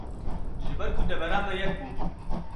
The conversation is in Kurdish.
ji ber ku devera me yek bû